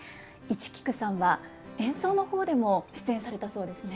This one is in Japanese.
市菊さんは演奏の方でも出演されたそうですね。